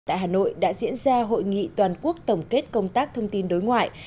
tại hà nội đã diễn ra hội nghị toàn quốc tổng kết công tác thông tin đối ngoại